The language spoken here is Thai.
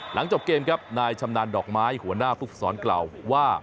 หลังจบเกมครับนายชำนาญดอกไม้หัวหน้าฟุกษรกล่าวว่า